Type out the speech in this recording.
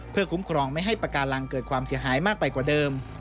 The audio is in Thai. เพื่อคุ้มครองไม่ให้ปากการังเกิดความเสียหายมากไปกว่าเดิม